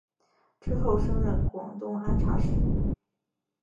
之后升任广东按察使。